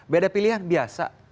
beda pilihan biasa